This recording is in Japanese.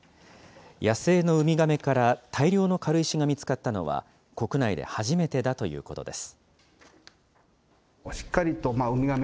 野生のウミガメから大量の軽石が見つかったのは、国内で初めてだということです。